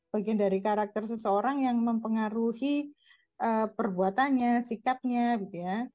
bagian dari karakter seseorang yang mempengaruhi perbuatannya sikapnya gitu ya